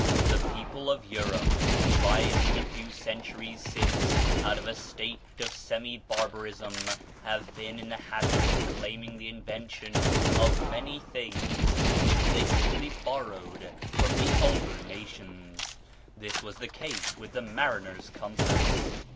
The people of Europe, rising a few centuries since out of a state of semi barbarism, have been in the habit of claiming the invention of many things which they simply borrowed from the older nations. This was the case with the mariner's compass.